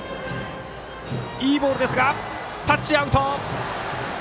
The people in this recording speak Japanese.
いいボール、タッチアウト！